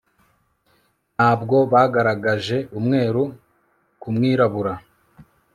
Ntabwo bagaragaje umweru ku mwirabura